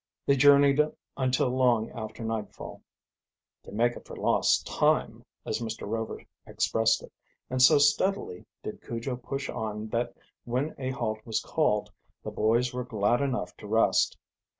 They journeyed until long after nightfall, "To make up for lost time," as Mr. Rover expressed it, and so steadily did Cujo push on that when a halt was called the boys were glad enough to rest.